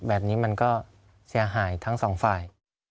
แบบนี้มันก็เสียหายทั้งสองฝ่าย